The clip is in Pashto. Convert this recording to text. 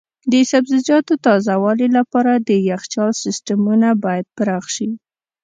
د سبزیجاتو تازه والي لپاره د یخچال سیستمونه باید پراخ شي.